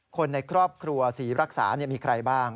คนในครอบครัวศรีรักษามีใครบ้าง